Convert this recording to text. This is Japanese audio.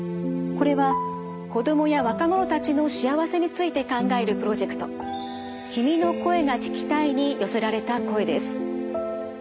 これは子供や若者たちの幸せについて考えるプロジェクト「君の声が聴きたい」に寄せられた声です。